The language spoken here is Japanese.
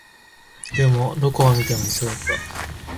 でも、どこを見ても一緒だった